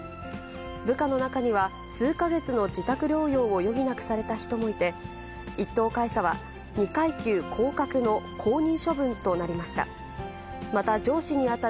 部下の中には、数か月の自宅療養を余儀なくされた人もいて、１等海佐は２階級降格の降任処分となりました。